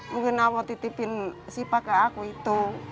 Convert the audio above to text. mungkin allah titipin sifat ke aku itu